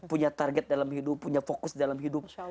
punya target dalam hidup punya fokus dalam hidup